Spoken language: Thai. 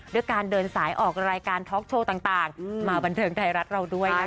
ด้วยการเดินสายออกรายการท็อกโชว์ต่างมาบันเทิงไทยรัฐเราด้วยนะคะ